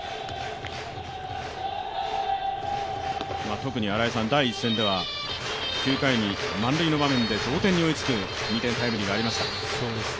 特に第１戦では９回に満塁の場面で同点に追いつく２点タイムリーがありました。